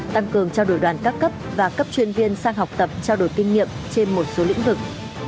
tăng cường trao đổi đoàn các cấp và cấp chuyên viên sang học tập trao đổi kinh nghiệm trên một số lĩnh vực